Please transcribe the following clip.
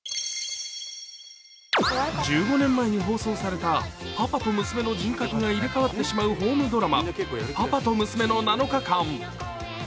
１５年前に放送されたパパと娘の人格が入れ替わってしまうホームドラマ「パパとムスメの７日間」。